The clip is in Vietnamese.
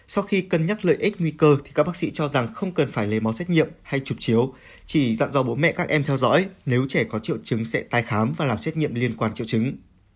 sau khi cân nhắc lợi ích nguy cơ thì các bác sĩ cho rằng không cần phải lấy máu xét nghiệm hay chụp chiếu chỉ dặn do bố mẹ các em theo dõi nếu trẻ có triệu chứng sẽ tái khám và làm xét nghiệm liên quan triệu chứng